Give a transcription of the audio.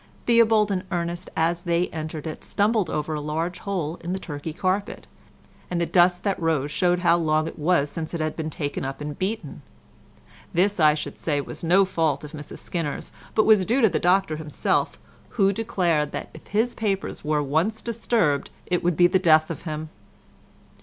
Theobald and Ernest as they entered it, stumbled over a large hole in the Turkey carpet, and the dust that rose showed how long it was since it had been taken up and beaten. This, I should say, was no fault of Mrs Skinner's but was due to the Doctor himself, who declared that if his papers were once disturbed it would be the death of him.